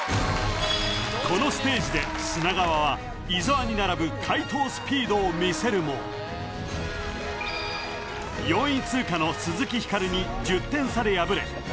このステージで砂川は伊沢に並ぶ解答スピードを見せるも４位通過の鈴木光に１０点差で敗れ